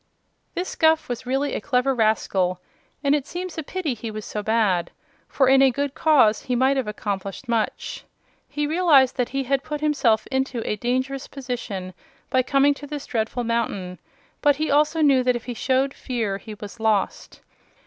This Guph was really a clever rascal, and it seems a pity he was so bad, for in a good cause he might have accomplished much. He realized that he had put himself into a dangerous position by coming to this dreadful mountain, but he also knew that if he showed fear he was lost.